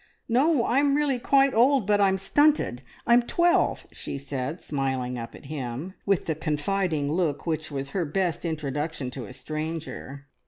"No I'm really quite old, but I'm stunted. I'm twelve!" she said, smiling up at him, with the confiding look which was her best introduction to a stranger.